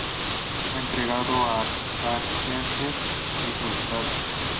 Fue entregado a Artajerjes y ejecutado.